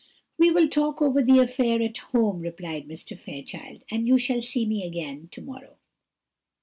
"We will talk over the affair at home," replied Mr. Fairchild; "and you shall see me again to morrow."